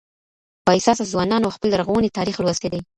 بااحساسه ځوانانو خپل لرغونی تاريخ لوستی دی.